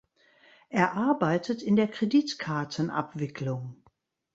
Er arbeitet in der Kreditkartenabwicklung.